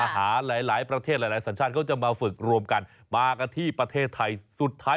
หาหลายประเทศหลายสัญชาติเขาจะมาฝึกรวมกันมากันที่ประเทศไทยสุดท้าย